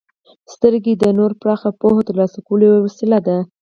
•سترګې د نور پراخه پوهه د ترلاسه کولو یوه وسیله ده.